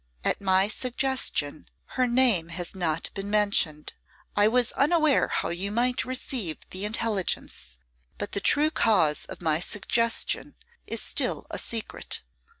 'At my suggestion, her name has not been mentioned. I was unaware how you might receive the intelligence; but the true cause of my suggestion is still a secret.